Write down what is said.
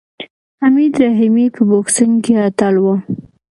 حمید رحیمي په بوکسینګ کې اتل و.